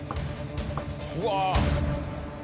うわ！